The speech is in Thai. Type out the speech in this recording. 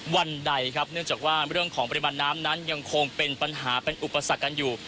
วันใดครับเนื่องจากว่าเรื่องของปริมาณน้ำนั้นยังคงเป็นปัญหาเป็นอุปสรรคกันอยู่